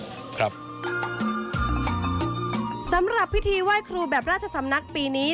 สำหรับพิธีไหว้ครูแบบราชสำนักปีนี้